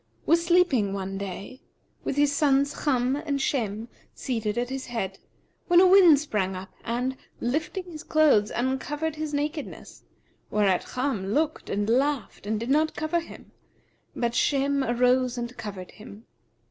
was sleeping one day, with his sons Cham and Shem seated at his head, when a wind sprang up and, lifting his clothes, uncovered his nakedness; whereat Cham looked and laughed and did not cover him: but Shem arose and covered him.